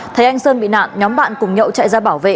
thấy anh sơn bị nạn nhóm bạn cùng nhậu chạy ra bảo vệ